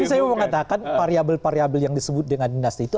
tapi saya mau mengatakan variabel variabel yang disebut dengan dinasti itu